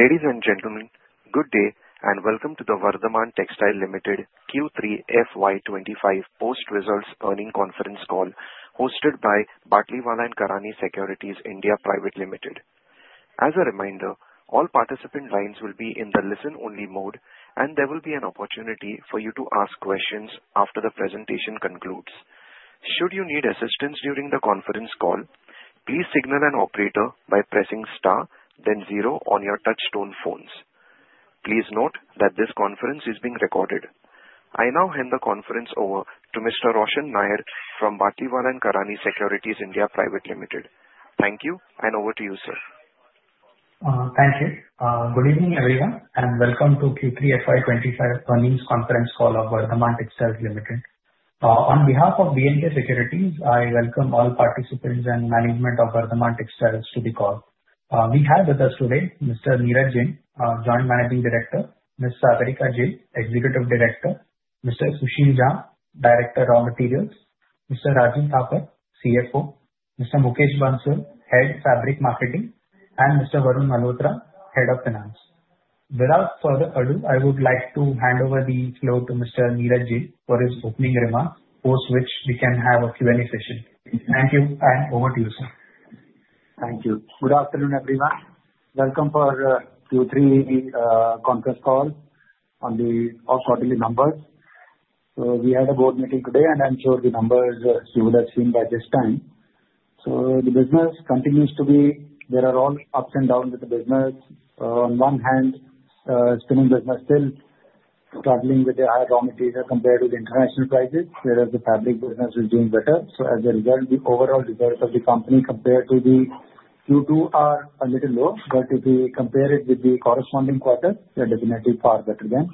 Ladies and gentlemen, good day and welcome to the Vardhman Textiles Limited Q3 FY25 post-results earnings conference call hosted by Batlivala & Karani Securities India Pvt Ltd. As a reminder, all participant lines will be in the listen-only mode, and there will be an opportunity for you to ask questions after the presentation concludes. Should you need assistance during the conference call, please signal an operator by pressing star, then zero on your touch-tone phones. Please note that this conference is being recorded. I now hand the conference over to Mr. Roshan Nair from Batlivala & Karani Securities India Pvt Ltd. Thank you, and over to you, sir. Thank you. Good evening, everyone, and welcome to Q3 FY25 earnings conference call of Vardhman Textiles Limited. On behalf of B&K Securities, I welcome all participants and management of Vardhman Textiles to the call. We have with us today Mr. Neeraj Jain, Joint Managing Director, Ms. Sagrika Jain, Executive Director, Mr. Sushil Jhamb, Director of Raw Materials, Mr. Rajeev Thapar, CFO, Mr. Mukesh Bansal, Head of Fabric Marketing, and Mr. Varun Malhotra, Head of Finance. Without further ado, I would like to hand over the floor to Mr. Neeraj Jain for his opening remarks, post which we can have a Q&A session. Thank you, and over to you, sir. Thank you. Good afternoon, everyone. Welcome to the Q3 conference call on the results of the quarter. We had a board meeting today, and I'm sure the numbers you would have seen by this time, so the business continues to be. There are all ups and downs with the business. On one hand, spinning business is still struggling with the higher raw material compared to the international prices, whereas the fabric business is doing better, so as a result, the overall result of the company compared to the Q2 is a little low, but if we compare it with the corresponding quarters, we are definitely far better than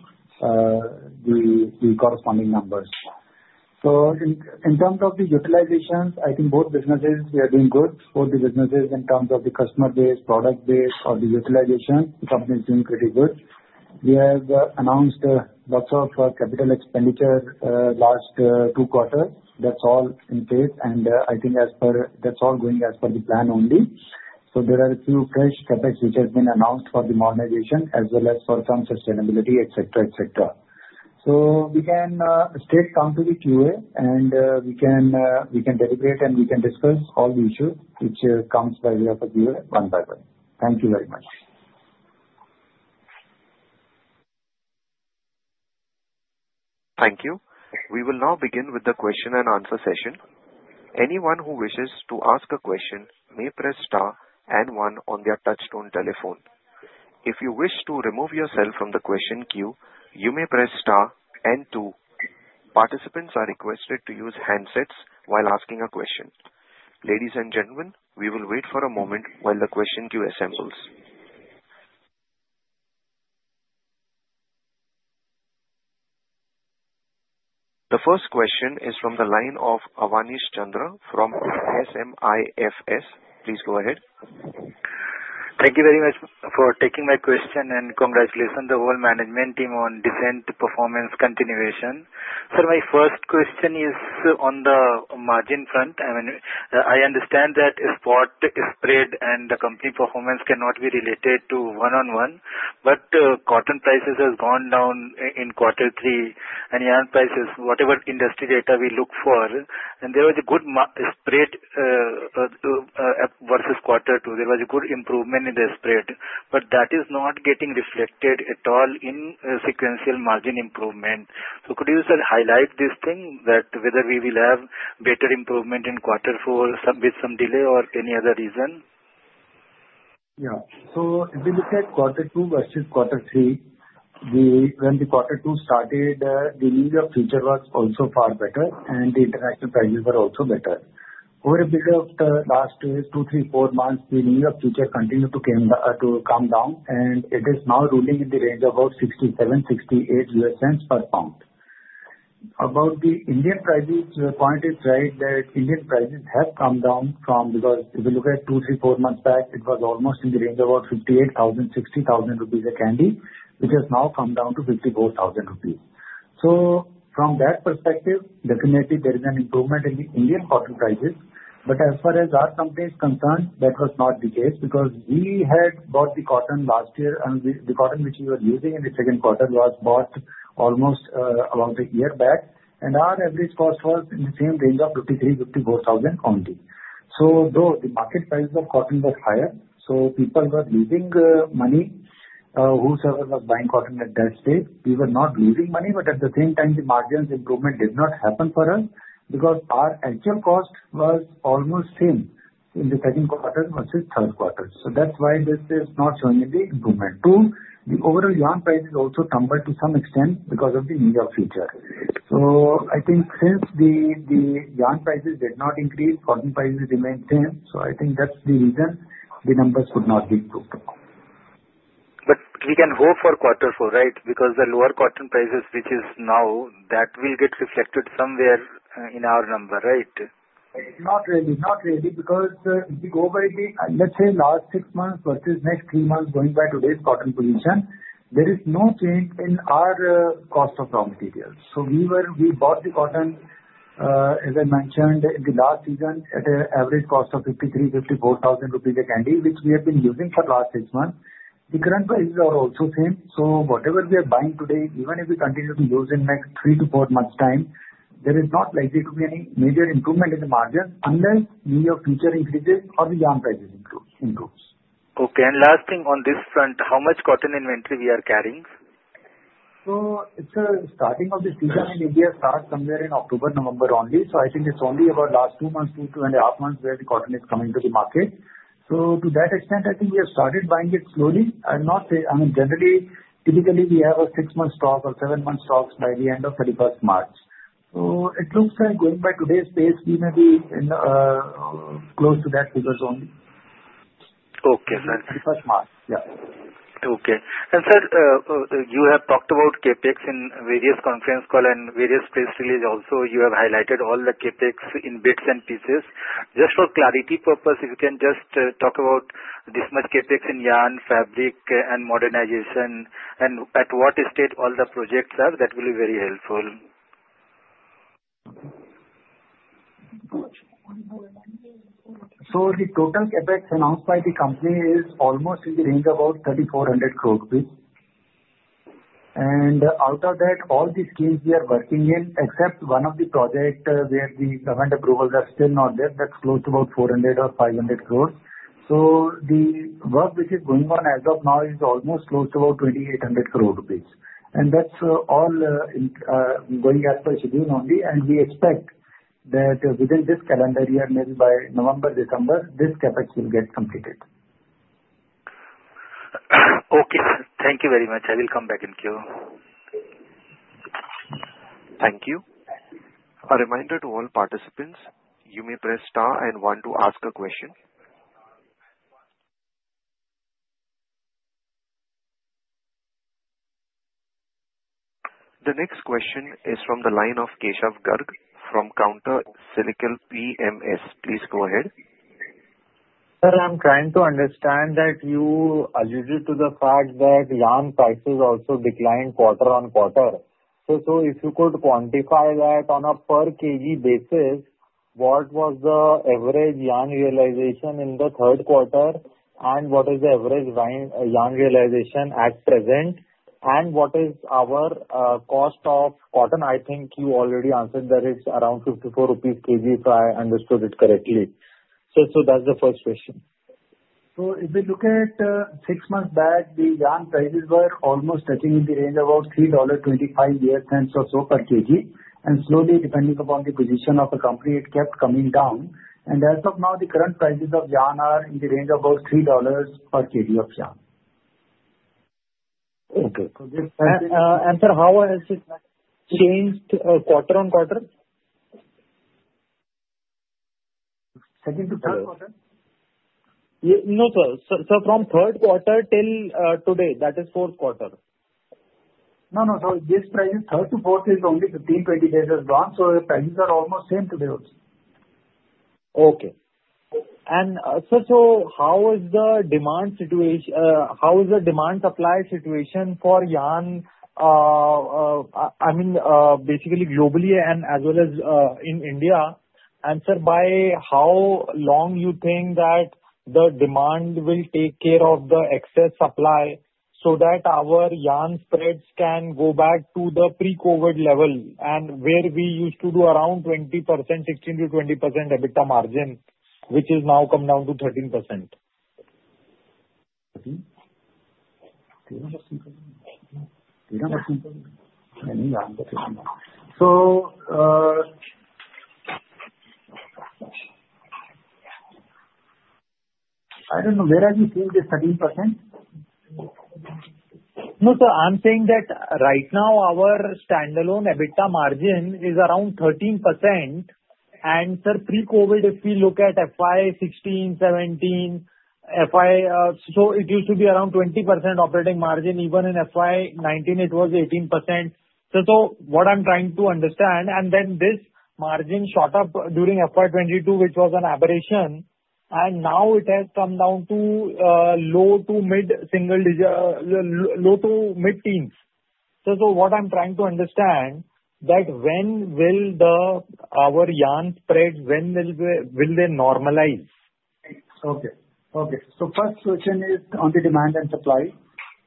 the corresponding numbers, so in terms of the utilization, I think both businesses are doing good. For the businesses, in terms of the customer base, product base, or the utilization, the company is doing pretty good. We have announced lots of capital expenditure last two quarters. That's all in place, and I think that's all going as per the plan only. So there are a few fresh CapEx which have been announced for the modernization, as well as for some sustainability, etc., etc. So we can straight come to the QA, and we can deliberate, and we can discuss all the issues which come by way of the QA one by one. Thank you very much. Thank you. We will now begin with the question and answer session. Anyone who wishes to ask a question may press star and one on their touch-tone telephone. If you wish to remove yourself from the question queue, you may press star and two. Participants are requested to use handsets while asking a question. Ladies and gentlemen, we will wait for a moment while the question queue assembles. The first question is from the line of Awanish Chandra from SMIFS. Please go ahead. Thank you very much for taking my question, and congratulations to the whole management team on decent performance continuation. Sir, my first question is on the margin front. I understand that spot spread and the company performance cannot be related to one-on-one, but cotton prices have gone down in Q3 and yarn prices, whatever industry data we look for, and there was a good spread versus Q2. There was a good improvement in the spread, but that is not getting reflected at all in sequential margin improvement. So could you highlight this thing, that whether we will have better improvement in Q4 with some delay or any other reason? Yeah. If we look at Q2 versus Q3, when Q2 started, the New York Futures was also far better, and the international prices were also better. Over a period of the last two, three, four months, the New York Futures continued to come down, and it is now ruling in the range of about $0.67-$0.68 per pound. About the Indian prices, your point is right that Indian prices have come down from, because if you look at two, three, four months back, it was almost in the range of about 58,000-60,000 rupees a candy, which has now come down to 54,000 rupees. So from that perspective, definitely there is an improvement in the Indian cotton prices, but as far as our company is concerned, that was not the case because we had bought the cotton last year, and the cotton which we were using in the second quarter was bought almost about a year back, and our average cost was in the same range of 53,000-54,000 only. So though the market price of cotton was higher, so people were losing money. Whosoever was buying cotton at that stage, we were not losing money, but at the same time, the margin improvement did not happen for us because our actual cost was almost same in the second quarter versus third quarter. So that's why this is not showing any improvement. Two, the overall yarn prices also tumbled to some extent because of the New York Futures. So I think since the yarn prices did not increase, cotton prices remained the same. So I think that's the reason the numbers could not be improved. But we can hope for Q4, right? Because the lower cotton prices which is now, that will get reflected somewhere in our number, right? Not really. Not really, because if we go by the, let's say, last six months versus next three months going by today's cotton position, there is no change in our cost of raw materials. So we bought the cotton, as I mentioned, in the last season at an average cost of 53,000-54,000 rupees a candy, which we have been using for the last six months. The current prices are also the same. So whatever we are buying today, even if we continue to use in the next three to four months' time, there is not likely to be any major improvement in the margins unless New York Futures increases or the yarn prices improve. Okay, and last thing on this front, how much cotton inventory we are carrying? So, it's the start of this season in India. It starts somewhere in October, November only. So, I think it's only about the last two months, two and a half months where the cotton is coming to the market. So, to that extent, I think we have started buying it slowly. I mean, generally, typically, we have a six-month stock or seven-month stocks by the end of 31st March. So, it looks like, going by today's pace, we may be close to that figure only. Okay. 31st March. Yeah. Okay. And sir, you have talked about CapEx in various conference calls and various press releases. Also, you have highlighted all the CapEx in bits and pieces. Just for clarity purpose, if you can just talk about this much CapEx in yarn, fabric, and modernization, and at what state all the projects are, that will be very helpful. The total CapEx announced by the company is almost in the range of about 3,400 crores rupees. Out of that, all the schemes we are working in, except one of the projects where the government approvals are still not there, that's close to about 400 crores or 500 crores. The work which is going on as of now is almost close to about 2,800 crores rupees. That's all going as per schedule only. We expect that within this calendar year, maybe by November, December, this CapEx will get completed. Okay. Thank you very much. I will come back in queue. Thank you. A reminder to all participants, you may press star and one to ask a question. The next question is from the line of Keshav Garg from Counter Cyclical Investments PMS. Please go ahead. Sir, I'm trying to understand that you alluded to the fact that yarn prices also declined quarter on quarter. So if you could quantify that on a per-kg basis, what was the average yarn realization in the third quarter, and what is the average yarn realization at present, and what is our cost of cotton? I think you already answered that it's around 54 rupees per kg, if I understood it correctly. So that's the first question. If we look at six months back, the yarn prices were almost touching in the range of about $3.25 US cents or so per kg. Slowly, depending upon the position of the company, it kept coming down. As of now, the current prices of yarn are in the range of about $3 per kg of yarn. Okay. Sir, how has it changed quarter on quarter? Second to third quarter? No, sir. So from third quarter till today, that is fourth quarter. No, no. So this price is third to fourth is only 15-20 basis points. So the prices are almost same today also. Okay. And sir, so how is the demand situation? How is the demand supply situation for yarn, I mean, basically globally and as well as in India? And sir, by how long you think that the demand will take care of the excess supply so that our yarn spreads can go back to the pre-COVID level and where we used to do around 20%, 16%-20% EBITDA margin, which has now come down to 13%? So I don't know. Where are you seeing this 13%? No, sir. I'm saying that right now, our standalone EBITDA margin is around 13%. And sir, pre-COVID, if we look at FY 2016, 2017, so it used to be around 20% operating margin. Even in FY 2019, it was 18%. So what I'm trying to understand, and then this margin shot up during FY 2022, which was an aberration, and now it has come down to low to mid-teens. So what I'm trying to understand, that when will our yarn spread, when will they normalize? Okay. Okay. So first question is on the demand and supply.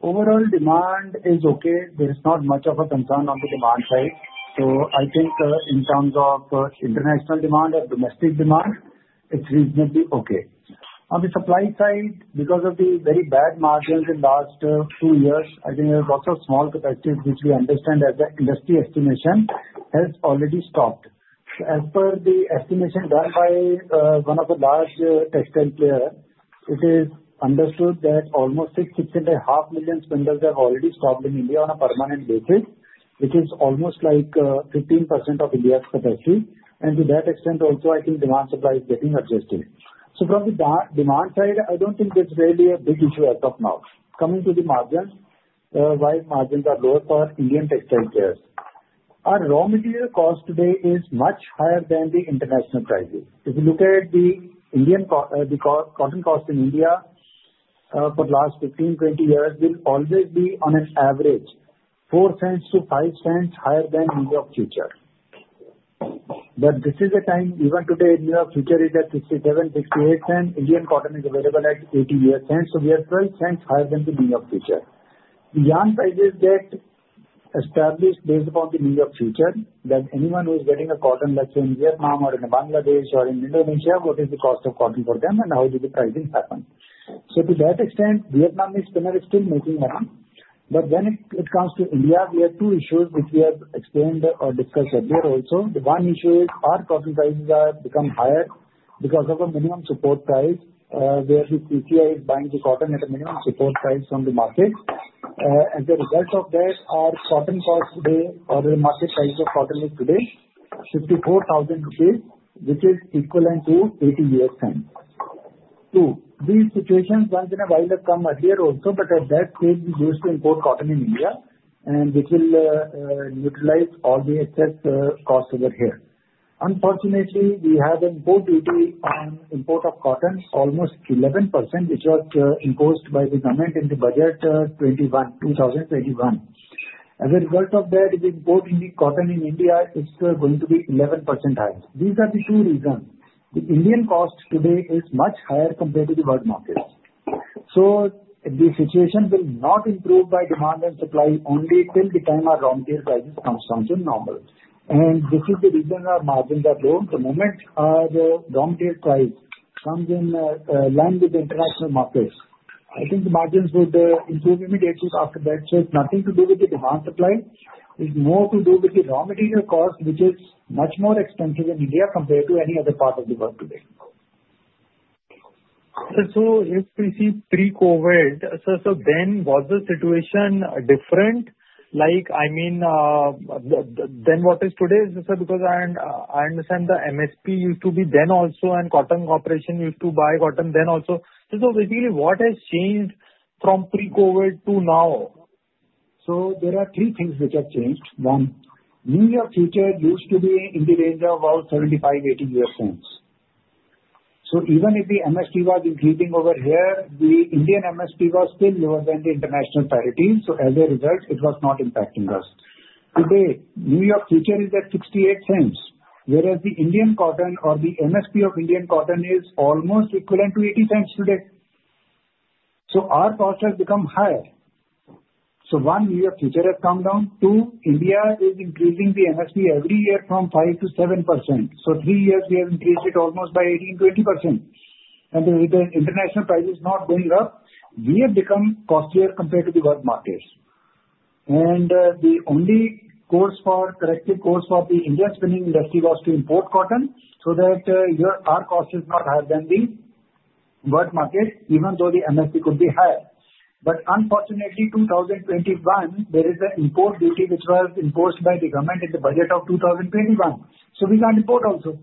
Overall demand is okay. There is not much of a concern on the demand side. So I think in terms of international demand or domestic demand, it's reasonably okay. On the supply side, because of the very bad margins in the last two years, I think there are lots of small capacities, which we understand as the industry estimation has already stopped. So as per the estimation done by one of the large textile players, it is understood that almost six, six and a half million spindles have already stopped in India on a permanent basis, which is almost like 15% of India's capacity. And to that extent also, I think demand supply is getting adjusted. So from the demand side, I don't think there's really a big issue as of now. Coming to the margins, why margins are lower for Indian textile players. Our raw material cost today is much higher than the international prices. If you look at the Indian cotton cost in India for the last 15, 20 years, it will always be on an average $0.04-$0.05 higher than New York Futures. But this is the time. Even today, New York Futures is at $0.67-$0.68. Indian cotton is available at $0.80. So we are $0.12 higher than the New York Futures. The yarn prices get established based upon the New York Futures, that anyone who is getting a cotton, let's say in Vietnam or in Bangladesh or in Indonesia, what is the cost of cotton for them and how did the pricing happen? So to that extent, Vietnamese spinner is still making money. But when it comes to India, we have two issues which we have explained or discussed earlier also. The one issue is our cotton prices have become higher because of a minimum support price where the CCI is buying the cotton at a minimum support price from the market. As a result of that, our cotton cost today or the market price of cotton is today 54,000 rupees, which is equivalent to $0.80. Two, these situations once in a while have come earlier also, but at that stage, we used to import cotton in India, and it will neutralize all the excess costs over here. Unfortunately, we have an import duty on import of cotton, almost 11%, which was imposed by the government in the budget 2021. As a result of that, if we import any cotton in India, it's going to be 11% higher. These are the two reasons. The Indian cost today is much higher compared to the world markets, so the situation will not improve by demand and supply only till the time our raw material prices come down to normal, and this is the reason our margins are low at the moment. Our raw material price comes in line with the international markets. I think the margins would improve immediately after that, so it's nothing to do with the demand supply. It's more to do with the raw material cost, which is much more expensive in India compared to any other part of the world today. If we see pre-COVID, sir, so then was the situation different? I mean, then what is today? Because I understand the MSP used to be then also, and Cotton Corporation used to buy cotton then also. So basically, what has changed from pre-COVID to now? There are three things which have changed. One, New York futures used to be in the range of about $0.75-$0.80. Even if the MSP was increasing over here, the Indian MSP was still lower than the international parity. As a result, it was not impacting us. Today, New York futures is at $0.68, whereas the Indian cotton or the MSP of Indian cotton is almost equivalent to $0.80 today. Our cost has become higher. One, New York futures has come down. Two, India is increasing the MSP every year from 5%-7%. Three years, we have increased it almost by 18%-20%. With the international prices not going up, we have become costlier compared to the world markets. And the only correct course for the Indian spinning industry was to import cotton so that our cost is not higher than the world market, even though the MSP could be higher. But unfortunately, 2021, there is an import duty which was imposed by the government in the budget of 2021. So we can't import also.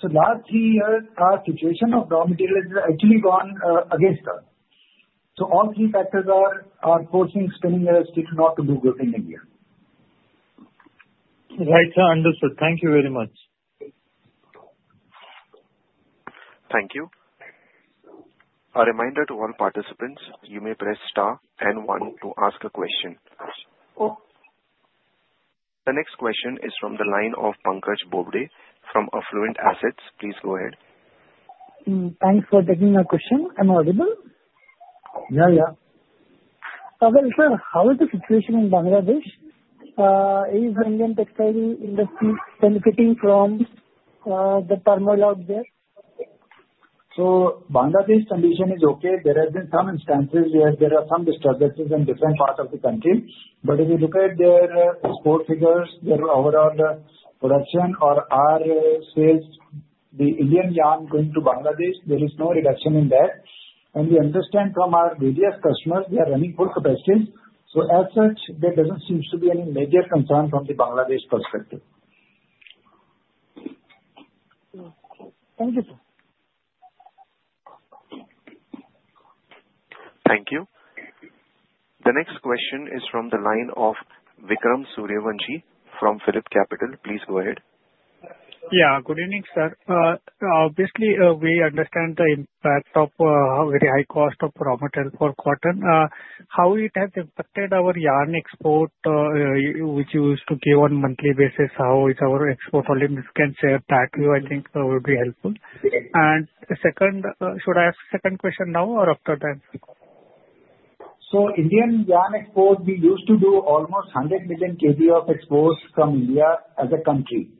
So last three years, our situation of raw material has actually gone against us. So all three factors are forcing spinning industry not to do good in India. Right. Understood. Thank you very much. Thank you. A reminder to all participants, you may press star and one to ask a question. The next question is from the line of Pankaj Bobade from Affluent Assets. Please go ahead. Thanks for taking our question. I'm audible? Yeah, yeah. Sir, how is the situation in Bangladesh? Is Indian textile industry benefiting from the turmoil out there? So Bangladesh's condition is okay. There have been some instances where there are some disturbances in different parts of the country. But if you look at their export figures, their overall production or our sales, the Indian yarn going to Bangladesh, there is no reduction in that. And we understand from our various customers, they are running full capacity. So as such, there doesn't seem to be any major concern from the Bangladesh perspective. Okay. Thank you, sir. Thank you. The next question is from the line of Vikram Suryavanshi from PhillipCapital. Please go ahead. Yeah. Good evening, sir. Obviously, we understand the impact of very high cost of raw material for cotton, how it has impacted our yarn export, which used to be on a monthly basis, how is our export volume is concerned. That I think would be helpful. And should I ask a second question now or after that? So Indian yarn export, we used to do almost 100 million kg of exports from India as a country.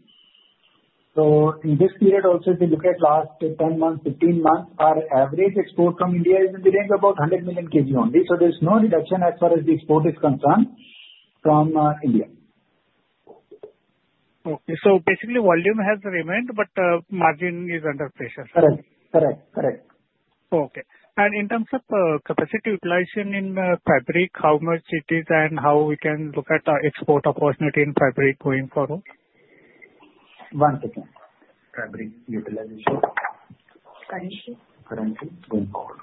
So in this period also, if you look at last 10 months, 15 months, our average export from India is in the range of about 100 million kg only. So there's no reduction as far as the export is concerned from India. Okay, so basically, volume has remained, but margin is under pressure. Correct. Correct. Correct. Okay. In terms of capacity utilization in fabric, how much it is and how we can look at export opportunity in fabric going forward? One second. Fabric utilization. Currently. Currently going forward.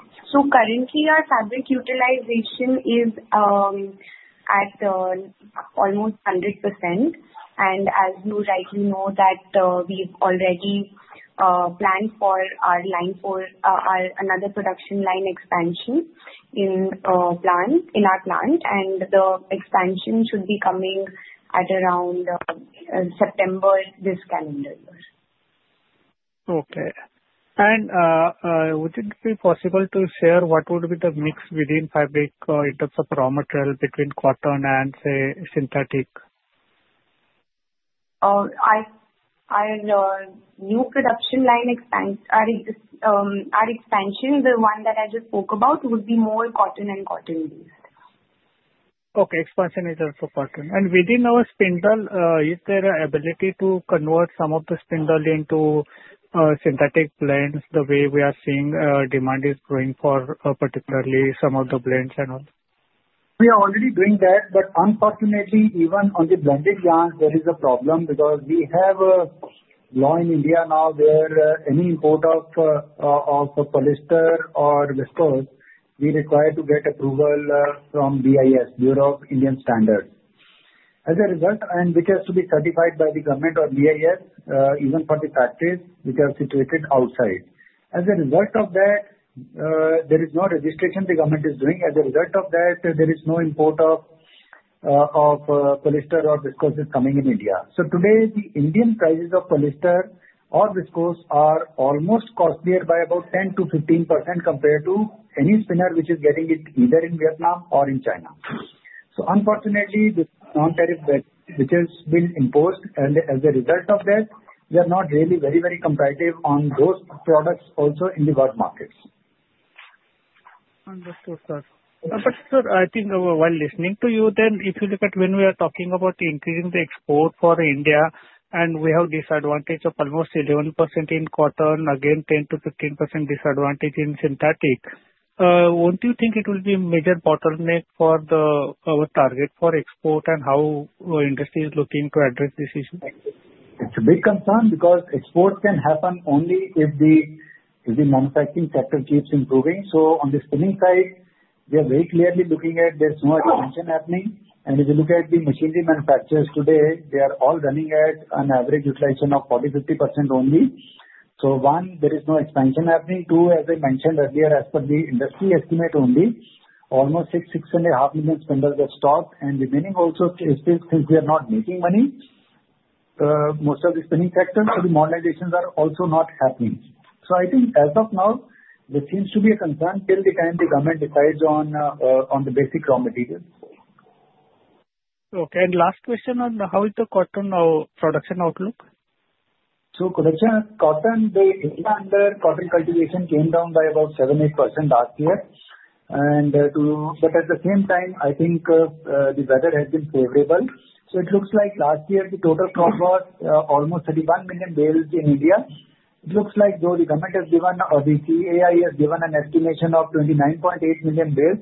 Currently, our fabric utilization is at almost 100%. As you rightly know, we've already planned for our line for another production line expansion in our plant, and the expansion should be coming at around September this calendar year. Okay. And would it be possible to share what would be the mix within fabric in terms of raw material between cotton and, say, synthetic? Our new production line expansion, the one that I just spoke about, would be more cotton and cotton-based. Okay. Expansion is also cotton. And within our spindles, is there an ability to convert some of the spindles into synthetic blends the way we are seeing demand is growing for particularly some of the blends and all? We are already doing that, but unfortunately, even on the blended yarn, there is a problem because we have a law in India now where any import of polyester or viscose, we require to get approval from BIS, Bureau of Indian Standards. As a result, which has to be certified by the government or BIS, even for the factories which are situated outside. As a result of that, there is no registration the government is doing. As a result of that, there is no import of polyester or viscose coming in India. So today, the Indian prices of polyester or viscose are almost costlier by about 10%-15% compared to any spinner which is getting it either in Vietnam or in China. Unfortunately, this non-tariff which has been imposed, and as a result of that, we are not really very, very competitive on those products also in the world markets. Understood, sir. But, sir, I think while listening to you, then if you look at when we are talking about increasing the export for India, and we have disadvantage of almost 11% in cotton, again, 10%-15% disadvantage in synthetic, won't you think it will be a major bottleneck for our target for export and how the industry is looking to address this issue? It's a big concern because exports can happen only if the manufacturing sector keeps improving, so on the spinning side, we are very clearly looking at there's no expansion happening, and if you look at the machinery manufacturers today, they are all running at an average utilization of 40%-50% only, so one, there is no expansion happening, two, as I mentioned earlier, as per the industry estimate only, almost 6 million-6.5 million spindles are stopped, and remaining also is still since we are not making money, most of the spinning sector, so the modernizations are also not happening, so I think as of now, there seems to be a concern till the time the government decides on the basic raw materials. Okay. And last question on how is the cotton production outlook? So cotton, the cotton cultivation came down by about 7-8% last year. But at the same time, I think the weather has been favorable. So it looks like last year, the total crop was almost 31 million bales in India. It looks like though the government has given or the CAI has given an estimation of 29.8 million bales,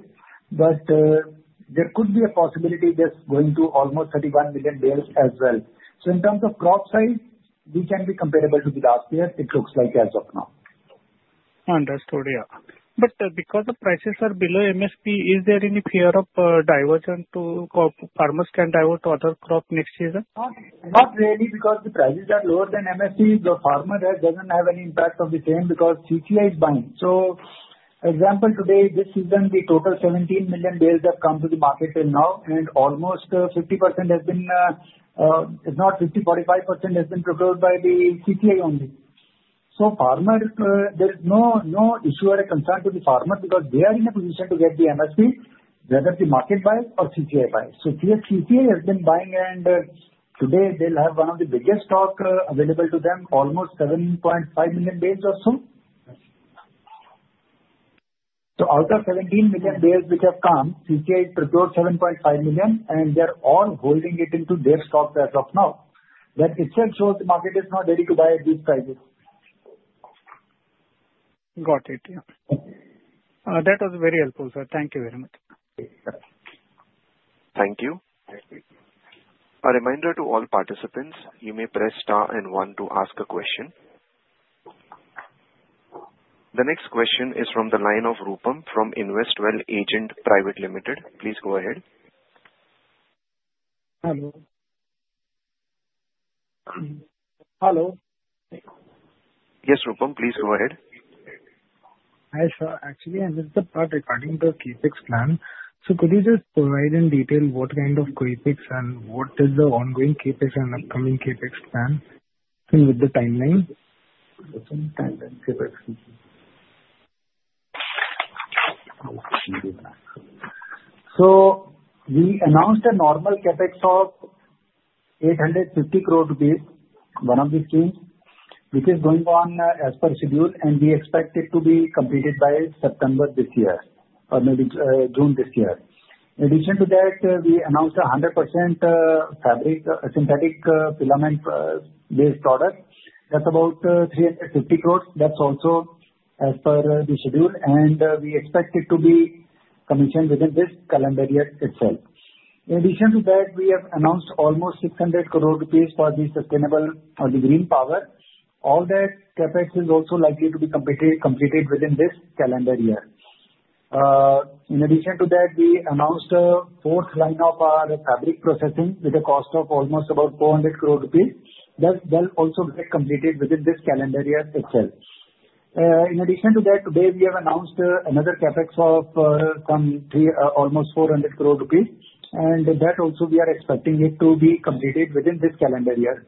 but there could be a possibility that's going to almost 31 million bales as well. So in terms of crop size, we can be comparable to the last year, it looks like as of now. Understood. Yeah, but because the prices are below MSP, is there any fear that farmers can divert to other crop next season? Not really because the prices are lower than MSP. The farmer doesn't have any impact on the same because CCI is buying. So example today, this season, the total 17 million bales have come to the market till now, and almost 50% has been if not 50, 45% has been procured by the CCI only. So farmer, there is no issue or a concern to the farmer because they are in a position to get the MSP, whether the market buys or CCI buys. So CCI has been buying, and today, they'll have one of the biggest stock available to them, almost 7.5 million bales or so. So out of 17 million bales which have come, CCI procured 7.5 million, and they are all holding it into their stock as of now. That itself shows the market is not ready to buy at these prices. Got it. Yeah. That was very helpful, sir. Thank you very much. Okay. Thank you. A reminder to all participants, you may press star and one to ask a question. The next question is from the line of Rupam from InvestWell Agents Private Limited. Please go ahead. Hello. Hello. Yes, Rupam, please go ahead. Hi sir. Actually, I missed the part regarding the CapEx plan. So could you just provide in detail what kind of CapEx and what is the ongoing CapEx and upcoming CapEx plan with the timeline? CapEx timeline. So we announced a normal CapEx of 850 crore rupees, one of these teams, which is going on as per schedule, and we expect it to be completed by September this year or maybe June this year. In addition to that, we announced a 100% synthetic filament-based product. That's about 350 crore. That's also as per the schedule, and we expect it to be commissioned within this calendar year itself. In addition to that, we have announced almost 600 crore rupees for the sustainable or the green power. All that CapEx is also likely to be completed within this calendar year. In addition to that, we announced a fourth line of our fabric processing with a cost of almost about 400 crore rupees. That will also get completed within this calendar year itself. In addition to that, today, we have announced another CapEx of almost 400 crore rupees, and that also we are expecting it to be completed within this calendar year.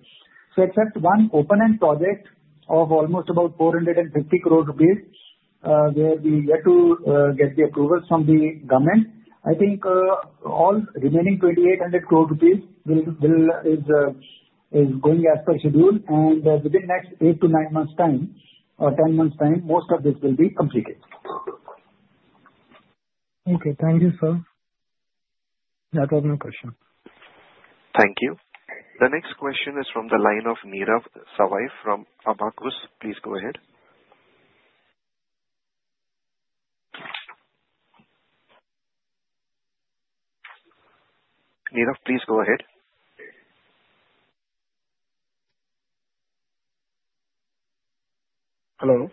So except one open-end project of almost about 450 crore rupees where we yet to get the approvals from the government, I think all remaining 2,800 crore rupees is going as per schedule, and within next 8 to 9 months' time or 10 months' time, most of this will be completed. Okay. Thank you, sir. That was my question. Thank you. The next question is from the line of Nirav Savai from Abakkus. Please go ahead. Nirav, please go ahead. Hello?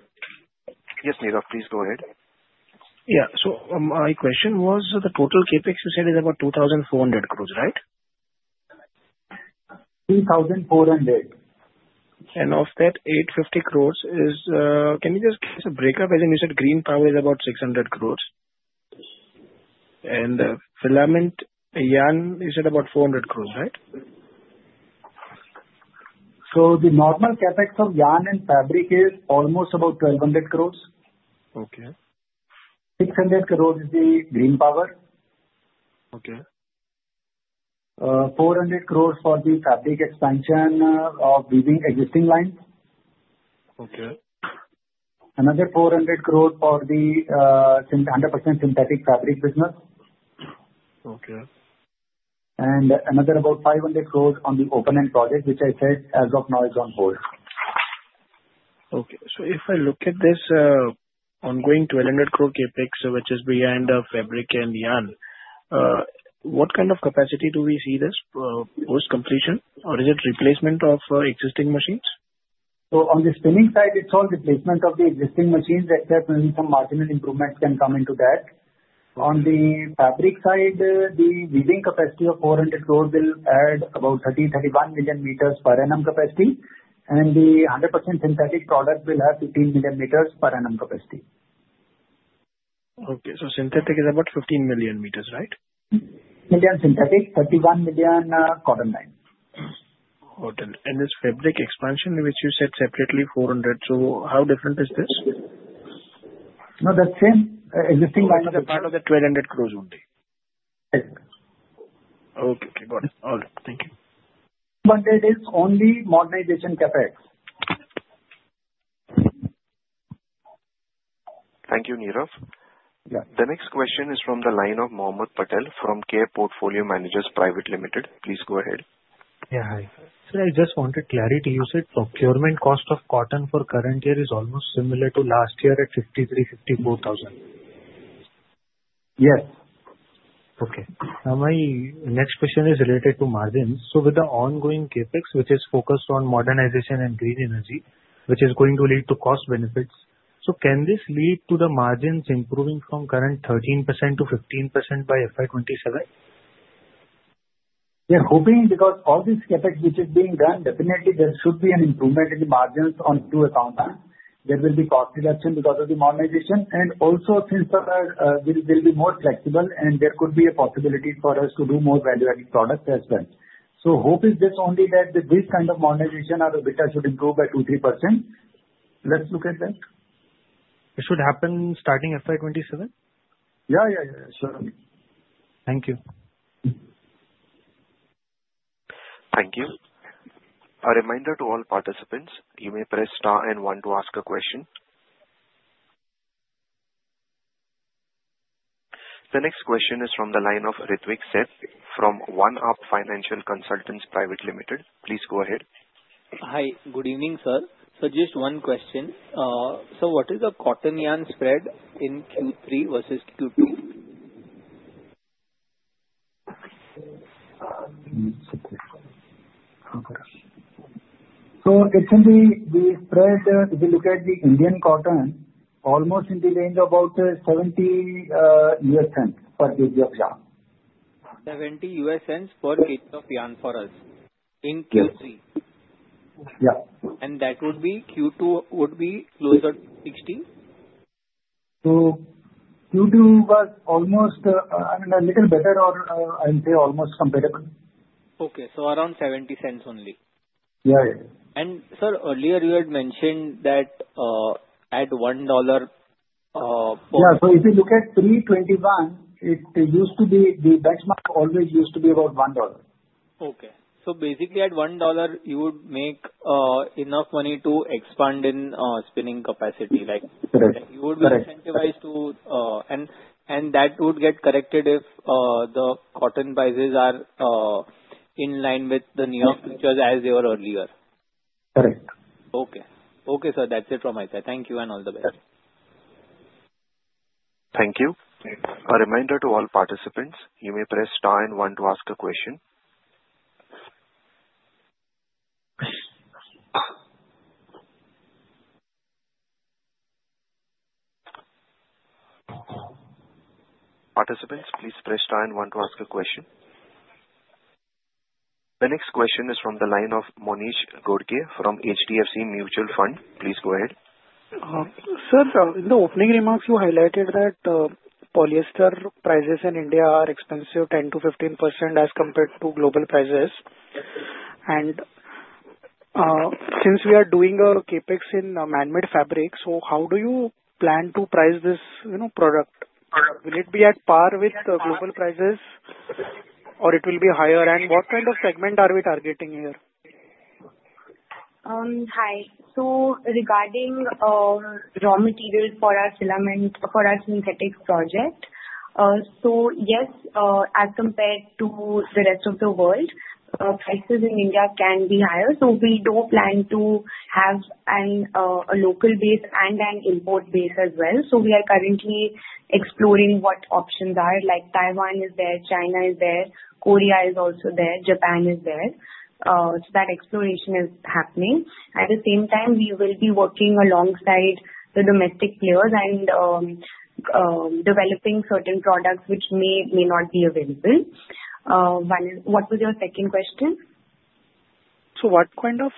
Yes, Nirav, please go ahead. Yeah. So my question was the total CapEx you said is about 2,400 crore, right? 2,400. And of that, 850 crore is can you just give us a breakup? As in, you said green power is about 600 crore. And filament yarn, you said about 400 crore, right? So the normal CapEx of yarn and fabric is almost about 1,200 crore. 600 crore is the green power. 400 crore for the fabric expansion of existing lines. Another 400 crore for the 100% synthetic fabric business. And another about 500 crore on the open-end project, which I said as of now is on hold. Okay. So if I look at this ongoing 1,200 crore CapEx, which is beyond fabric and yarn, what kind of capacity do we see this post-completion, or is it replacement of existing machines? So on the spinning side, it's all replacement of the existing machines, except maybe some marginal improvements can come into that. On the fabric side, the weaving capacity of 400 crore will add about 30 million-31 million meters per annum capacity, and the 100% synthetic product will have 15 million meters per annum capacity. Okay. So synthetic is about 15 million meters, right? 15 million synthetic, 31 million cotton line. Cotton. And this fabric expansion, which you said separately, 400. So how different is this? No, that's the same. Existing line. So it's a part of the 1,200 crores only? Yes. Okay. Got it. All right. Thank you. It is only modernization CapEx. Thank you, Nirav. The next question is from the line of Mohammed Patel from Care Portfolio Managers Private Limited. Please go ahead. Yeah. Hi. Sir, I just wanted clarity. You said procurement cost of cotton for current year is almost similar to last year at 53,000-54,000. Yes. Okay. Now, my next question is related to margins. So with the ongoing CapEx, which is focused on modernization and green energy, which is going to lead to cost benefits, so can this lead to the margins improving from current 13% to 15% by FY 2027? We are hoping because all this CapEx, which is being done, definitely there should be an improvement in the margins on two accounts. There will be cost reduction because of the modernization. And also, since there will be more flexible, there could be a possibility for us to do more value-added products as well. So hope is just only that this kind of modernization or the EBITDA should improve by 2%-3%. Let's look at that. It should happen starting FY 27? Yeah. Yeah. Yeah. Sure. Thank you. Thank you. A reminder to all participants, you may press star and one to ask a question. The next question is from the line of Ritwik Sheth from OneUp Financial Consultants Private Limited. Please go ahead. Hi. Good evening, sir. So just one question. So what is the cotton yarn spread in Q3 versus Q2? So it's in the spread, if you look at the Indian cotton, almost in the range of about $0.70 per kg of yarn. $0.70 per kg of yarn for us in Q3? Yeah. That would be Q2 would be closer to 60? Q2 was almost, I mean, a little better or I would say almost comparable. Okay, so around $0.70 only? Yeah. Sir, earlier you had mentioned that at $1 for. Yeah. So if you look at 321, it used to be the benchmark, always used to be about $1. Okay. So basically, at $1, you would make enough money to expand in spinning capacity. Correct. You would be incentivized to, and that would get corrected if the cotton prices are in line with the New York Futures as they were earlier. Correct. Okay. Okay, sir. That's it from my side. Thank you and all the best. Thank you. A reminder to all participants, you may press star and one to ask a question. Participants, please press star and one to ask a question. The next question is from the line of Monish Ghodke from HDFC Mutual Fund. Please go ahead. Sir, in the opening remarks, you highlighted that polyester prices in India are expensive 10%-15% as compared to global prices, and since we are doing CapEx in man-made fabric, so how do you plan to price this product? Will it be at par with global prices, or it will be higher, and what kind of segment are we targeting here? Hi. So regarding raw materials for our filament, for our synthetic project, so yes, as compared to the rest of the world, prices in India can be higher. So we do plan to have a local base and an import base as well. So we are currently exploring what options are. Like Taiwan is there, China is there, Korea is also there, Japan is there. So that exploration is happening. At the same time, we will be working alongside the domestic players and developing certain products which may not be available. What was your second question? So what kind of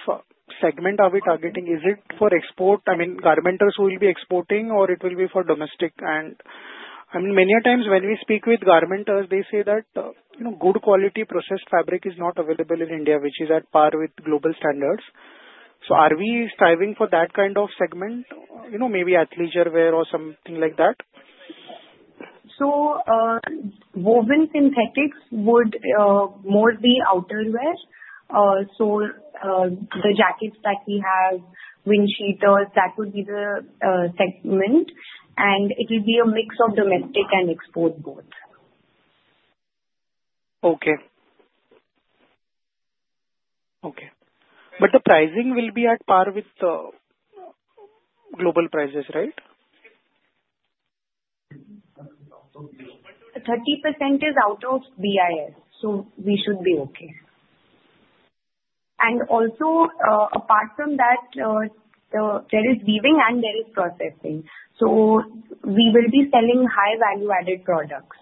segment are we targeting? Is it for export? I mean, garmenters who will be exporting, or it will be for domestic? And I mean, many times when we speak with garmenters, they say that good quality processed fabric is not available in India, which is at par with global standards. So are we striving for that kind of segment, maybe athleisure wear or something like that? Woven synthetics would more be outerwear. The jackets that we have, windcheaters, that would be the segment. It will be a mix of domestic and export both. Okay. Okay. But the pricing will be at par with global prices, right? 30% is out of BIS. So we should be okay. And also, apart from that, there is weaving and there is processing. So we will be selling high value-added products.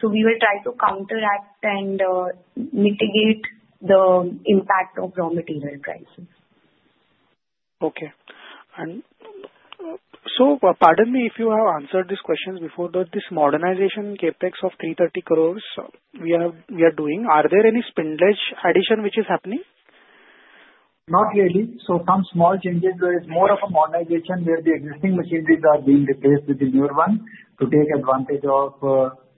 So we will try to counteract and mitigate the impact of raw material prices. Okay. And so pardon me if you have answered these questions before, but this modernization CapEx of 330 crores we are doing, are there any spending addition which is happening? Not really, so some small changes. There is more of a modernization where the existing machineries are being replaced with the newer ones to take advantage of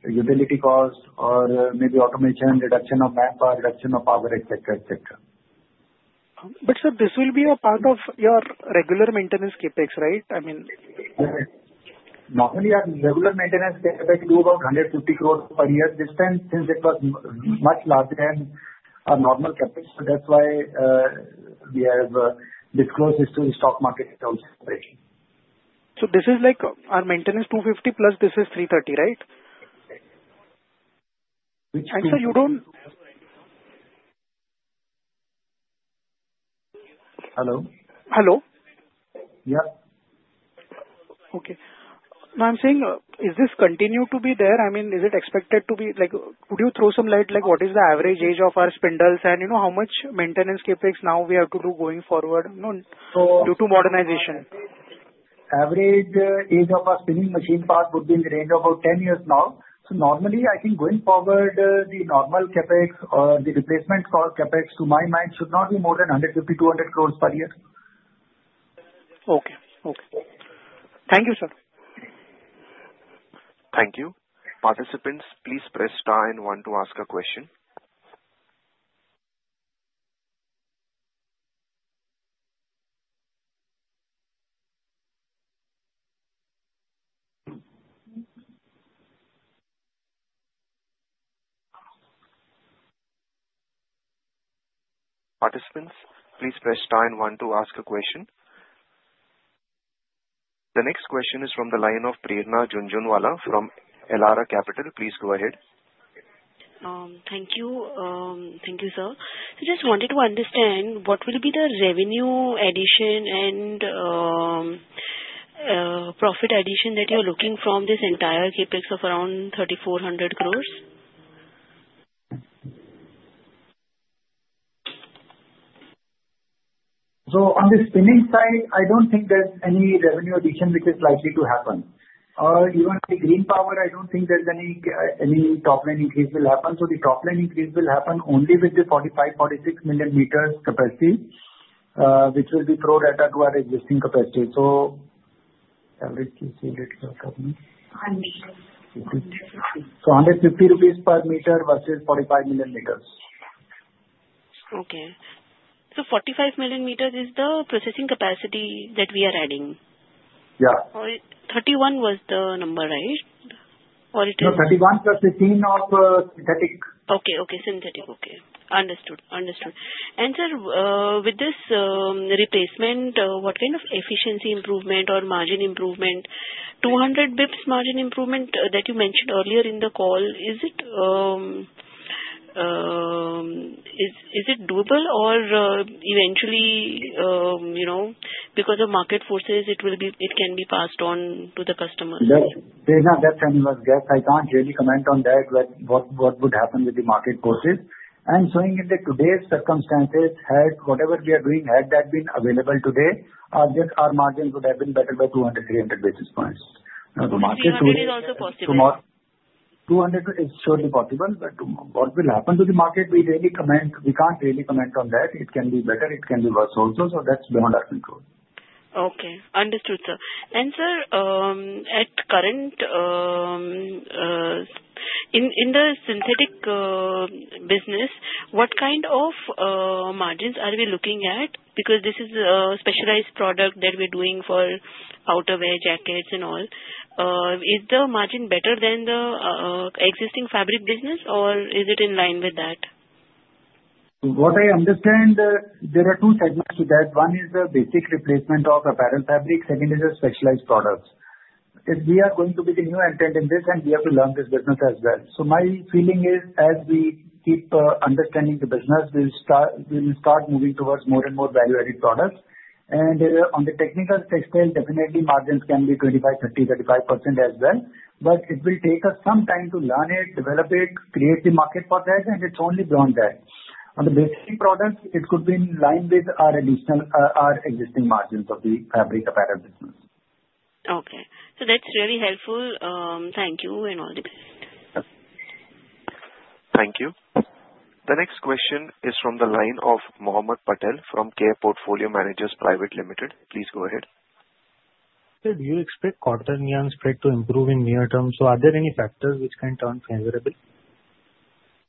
utility costs or maybe automation, reduction of manpower, or reduction of power, etc., etc. But sir, this will be a part of your regular maintenance CapEx, right? I mean. Normally, our regular maintenance CapEx is about 150 crore per year. This time, since it was much larger than our normal CapEx, so that's why we have disclosed this to the stock market. So this is like our maintenance 250 crore plus, this is 330 crores, right? And sir, you don't. Hello? Hello? Yeah. Okay. Now, I'm saying, is this continued to be there? I mean, is it expected to be? Could you throw some light? What is the average age of our spindles and how much maintenance CapEx now we have to do going forward due to modernization? Average age of our spinning machine part would be in the range of about 10 years now. So normally, I think going forward, the normal CapEx or the replacement for CapEx, to my mind, should not be more than INR 150crores-INR 200 crores per year. Okay. Okay. Thank you, sir. Thank you. Participants, please press star and one to ask a question. The next question is from the line of Prerna Jhunjhunwala from Elara Capital. Please go ahead. Thank you. Thank you, sir. So just wanted to understand, what will be the revenue addition and profit addition that you're looking from this entire CapEx of around 3,400 crores? So on the spinning side, I don't think there's any revenue addition which is likely to happen. Even the green power, I don't think there's any top-line increase will happen. So the top-line increase will happen only with the 45million -46 million meters capacity, which will be added to our existing capacity. So 150 rupees per meter versus 45 million meters. 45 million meters is the processing capacity that we are adding. Yeah. Or 31 crore was the number, right? Or it is? No, 31 crore plus 15 crore of synthetic. Okay. Synthetic. Okay. Understood. And sir, with this replacement, what kind of efficiency improvement or margin improvement, 200 basis points margin improvement that you mentioned earlier in the call, is it doable or eventually, because of market forces, it can be passed on to the customers? That's a nervous guess. I can't really comment on that, what would happen with the market forces. And so in today's circumstances, had whatever we are doing, had that been available today, our margins would have been better by 200-300 basis points. Now, the market. 200 basis points is also possible. 200 basis points is surely possible, but what will happen to the market, we can't really comment on that. It can be better. It can be worse also. So that's beyond our control. Okay. Understood, sir. And sir, at current, in the synthetic business, what kind of margins are we looking at? Because this is a specialized product that we're doing for outerwear, jackets, and all. Is the margin better than the existing fabric business, or is it in line with that? What I understand, there are two segments to that. One is the basic replacement of apparel fabric. Second is a specialized product. We are going to be the new entrant in this, and we have to learn this business as well. So my feeling is, as we keep understanding the business, we'll start moving towards more and more value-added products. And on the technical textile, definitely margins can be 25%, 30%, 35% as well. But it will take us some time to learn it, develop it, create the market for that, and it's only beyond that. On the basic products, it could be in line with our existing margins of the fabric apparel business. Okay. So that's really helpful. Thank you and all the best. Thank you. The next question is from the line of Mohammed Patel from Care Portfolio Managers Private Limited. Please go ahead. Sir, do you expect cotton yarn spread to improve in near term? So are there any factors which can turn favorable?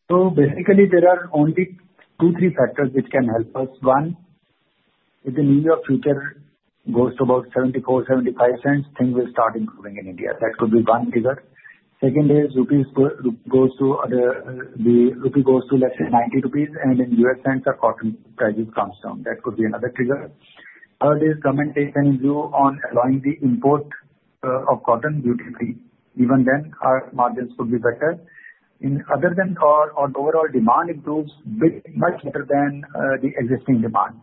So basically, there are only two, three factors which can help us. One, if the New York futures goes to about $0.74-$0.75, things will start improving in India. That could be one trigger. Second is, rupees goes to, let's say, 90 rupees, and in US cents, our cotton prices come down. That could be another trigger. Third is, government takes any view on allowing the import of cotton duty-free. Even then, our margins could be better. Other than all, our overall demand improves much better than the existing demand.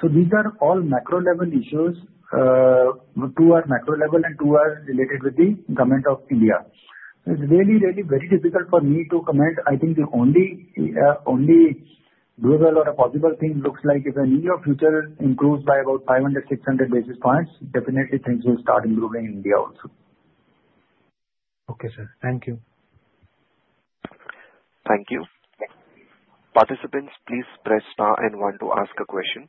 So these are all macro-level issues to our macro level and to our related with the government of India. So it's really, really very difficult for me to comment. I think the only doable or possible thing looks like if a New York Futures improves by about 500-600 basis points, definitely things will start improving in India also. Okay, sir. Thank you. Thank you. Participants, please press star and one to ask a question.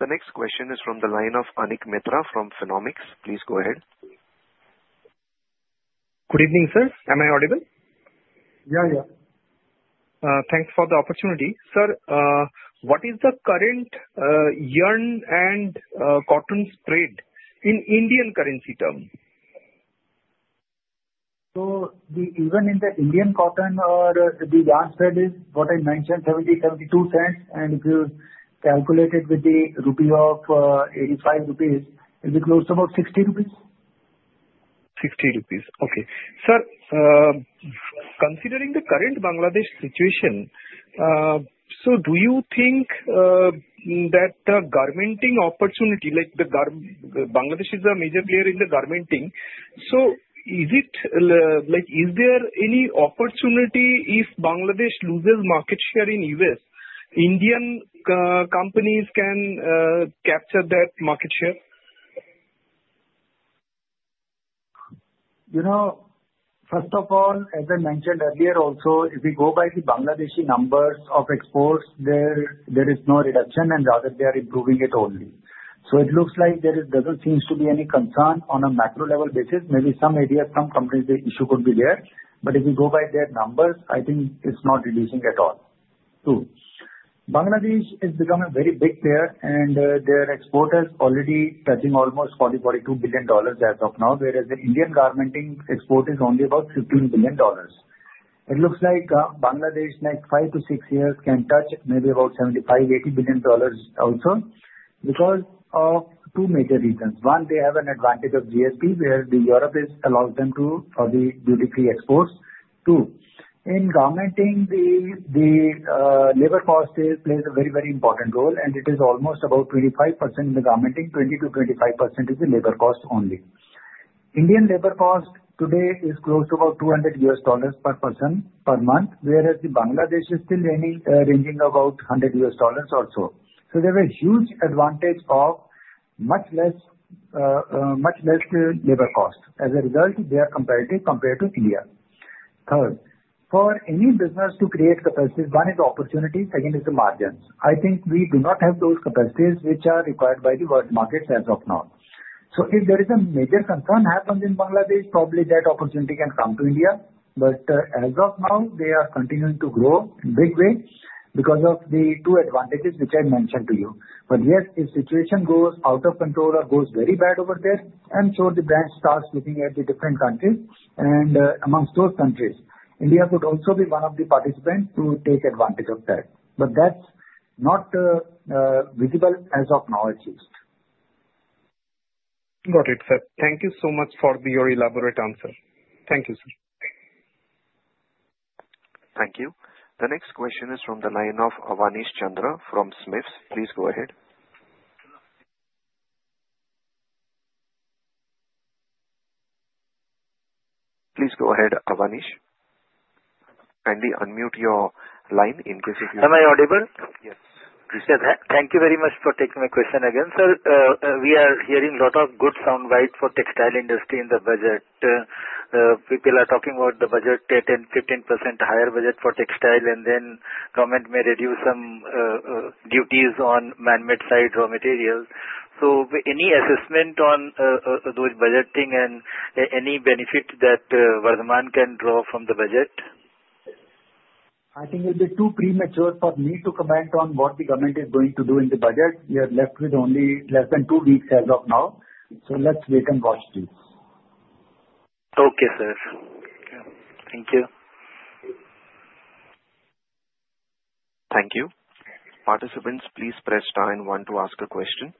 The next question is from the line of Anik Mitra from Finnomics. Please go ahead. Good evening, sir. Am I audible? Yeah, yeah. Thanks for the opportunity. Sir, what is the current yarn and cotton spread in Indian currency terms? So even in the Indian cotton, the yarn spread is, what I mentioned, $0.70-$0.72. And if you calculate it with the rupee of 85 rupees, it will be close to about 60 rupees. 60 rupees. Okay. Sir, considering the current Bangladesh situation, so do you think that the garmenting opportunity like Bangladesh is a major player in the garmenting? So is there any opportunity if Bangladesh loses market share in the U.S., Indian companies can capture that market share? First of all, as I mentioned earlier, also, if we go by the Bangladeshi numbers of exports, there is no reduction, and rather, they are improving it only. So it looks like there doesn't seem to be any concern on a macro-level basis. Maybe some areas, some companies, the issue could be there. But if you go by their numbers, I think it's not reducing at all. Two, Bangladesh has become a very big player, and their export has already touching almost $40 billion-$42 billion as of now, whereas the Indian garmenting export is only about $15 billion. It looks like Bangladesh, in like five to six years, can touch maybe about $75 billion-$80 billion also because of two major reasons. One, they have an advantage of GSP, where Europe has allowed them to do duty-free exports. Two, in garmenting, the labor cost plays a very, very important role, and it is almost about 25% in the garmenting. 20%-25% is the labor cost only. Indian labor cost today is close to about $200 per person per month, whereas Bangladesh is still ranging about $100 or so. So they have a huge advantage of much less labor cost. As a result, they are competitive compared to India. Third, for any business to create capacity, one is opportunity. Second is the margins. I think we do not have those capacities which are required by the world markets as of now. So if there is a major concern happening in Bangladesh, probably that opportunity can come to India. But as of now, they are continuing to grow in a big way because of the two advantages which I mentioned to you. But yet, if the situation goes out of control or goes very bad over there, I'm sure the brand starts looking at the different countries. And amongst those countries, India could also be one of the participants to take advantage of that. But that's not visible as of now, at least. Got it, sir. Thank you so much for your elaborate answer. Thank you, sir. Thank you. The next question is from the line of AWanish Chandra from SMIFS. Please go ahead. Please go ahead, Awanish. And unmute your line in case if you. Am I audible? Yes. Thank you very much for taking my question again, sir. We are hearing a lot of good soundbite for textile industry in the budget. People are talking about the budget 10%-15% higher budget for textile, and then government may reduce some duties on man-made side raw materials. So any assessment on those budgeting and any benefit that Vardhman can draw from the budget? I think it will be too premature for me to comment on what the government is going to do in the budget. We are left with only less than two weeks as of now. So let's wait and watch, please. Okay, sir. Thank you. Thank you. Participants, please press star and one to ask a question.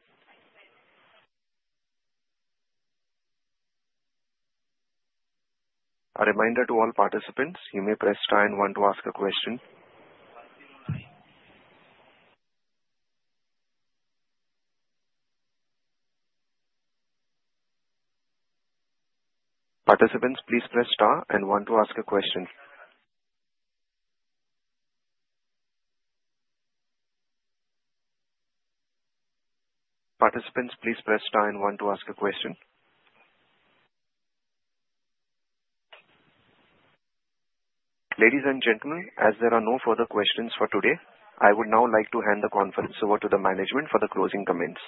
A reminder to all participants, you may press star and one to ask a question. Participants, please press star and one to ask a question. Participants, please press star and one to ask a question. Ladies and gentlemen, as there are no further questions for today, I would now like to hand the conference over to the management for the closing comments.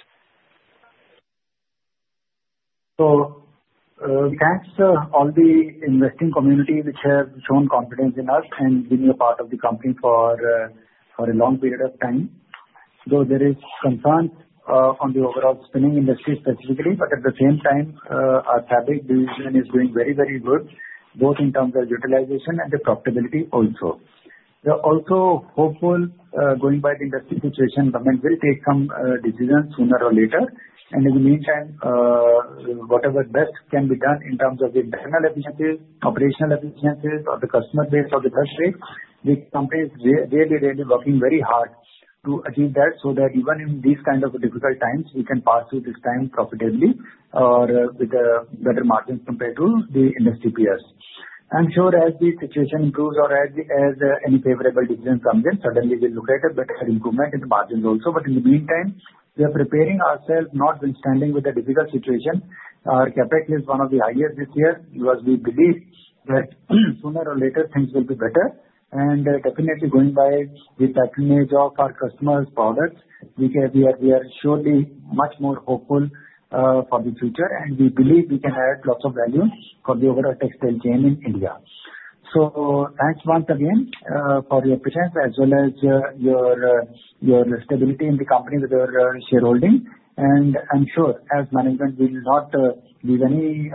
So thanks to all the investing community which have shown confidence in us and been a part of the company for a long period of time. So there is concern on the overall spinning industry specifically, but at the same time, our fabric division is doing very, very good, both in terms of utilization and the profitability also. We are also hopeful going by the industry situation, government will take some decisions sooner or later. And in the meantime, whatever best can be done in terms of the internal efficiencies, operational efficiencies, or the customer base or the trust rate, the company is really, really working very hard to achieve that so that even in these kinds of difficult times, we can pass through this time profitably or with better margins compared to the industry peers. I'm sure as the situation improves or as any favorable decision comes in, suddenly we'll look at a better improvement in the margins also, but in the meantime, we are preparing ourselves, notwithstanding with a difficult situation. Our CapEx is one of the highest this year. We believe that sooner or later, things will be better, and definitely, going by the patronage of our customers' products, we are surely much more hopeful for the future, and we believe we can add lots of value for the overall textile chain in India, so thanks once again for your patience as well as your stability in the company with your shareholding, and I'm sure as management, we will not leave any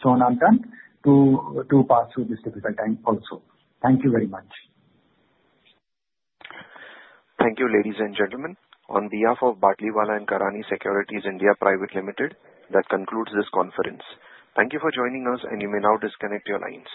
stone unturned to pass through this difficult time also. Thank you very much. Thank you, ladies and gentlemen. On behalf of Batlivala and Karani Securities India Private Limited, that concludes this conference. Thank you for joining us, and you may now disconnect your lines.